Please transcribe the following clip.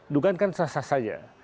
dugaan kan sesasanya